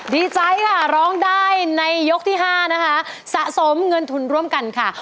ดีใจค่ะร้องได้ในยกที่๕นะคะสะสมเงินทุนร่วมกันค่ะ